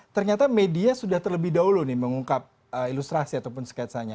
ternyata media sudah terlebih dahulu mengungkap ilustrasi ataupun sketsanya